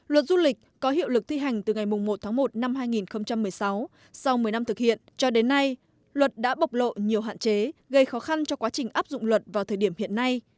luật du lịch có hiệu lực thi hành từ ngày một tháng một năm hai nghìn một mươi sáu sau một mươi năm thực hiện cho đến nay luật đã bộc lộ nhiều hạn chế gây khó khăn cho quá trình áp dụng luật vào thời điểm hiện nay